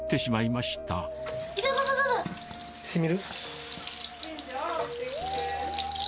しみる？